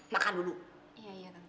makan dulu iya iya tentu